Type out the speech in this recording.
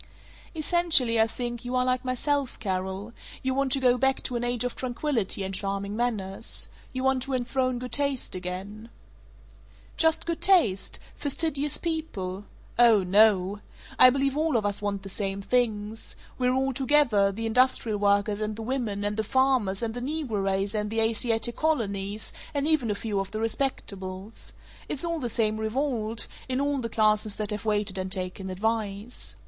"Essentially, I think, you are like myself, Carol; you want to go back to an age of tranquillity and charming manners. You want to enthrone good taste again." "Just good taste? Fastidious people? Oh no! I believe all of us want the same things we're all together, the industrial workers and the women and the farmers and the negro race and the Asiatic colonies, and even a few of the Respectables. It's all the same revolt, in all the classes that have waited and taken advice.